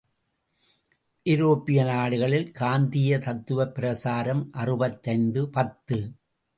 ஐரோப்பிய நாடுகளில் காந்தீய தத்துவப் பிரசாரம் அறுபத்தைந்து பத்து.